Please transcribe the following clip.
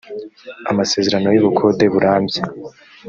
amasezerano y ubukode burambye